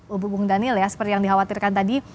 hubung daniel seperti yang dikhawatirkan tadi